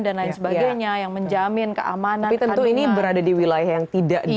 dan lain sebagainya yang menjamin keamanan tapi tentu ini berada di wilayah yang tidak di